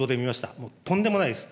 もう、とんでもないです。